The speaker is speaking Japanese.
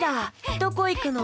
どこいくの？